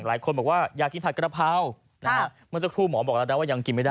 หลายคนบอกว่าอยากกินผัดกระเพรานะฮะเมื่อสักครู่หมอบอกแล้วนะว่ายังกินไม่ได้